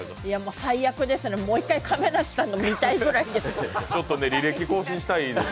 最悪ですね、もう一回亀梨さんの見たいぐらいです。